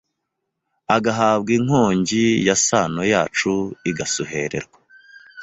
Agahabwa inkongi ya sano yacu igasuhererwa